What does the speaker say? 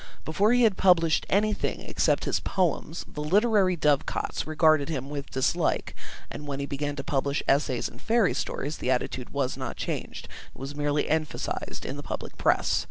Before he had published anything except his Poems, the literary dovecots regarded him with dislike, and when he began to publish essays and fairy stories, the attitude was not changed; it was merely emphasised in the public press.